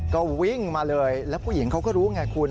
ก็วิ่งมาเลยแล้วผู้หญิงเขาก็รู้ไงคุณ